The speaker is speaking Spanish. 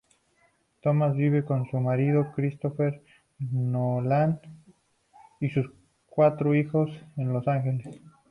Thomas vive con su marido, Christopher Nolan, y sus cuatro hijos en Los Ángeles.